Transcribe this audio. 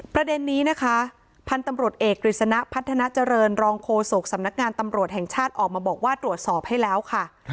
ประเด็นนี้นะคะพันธุ์ตำรวจเอกกฤษณะพัฒนาเจริญรองโฆษกสำนักงานตำรวจแห่งชาติออกมาบอกว่าตรวจสอบให้แล้วค่ะ